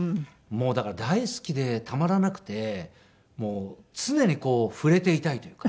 もうだから大好きでたまらなくて常にこう触れていたいというか。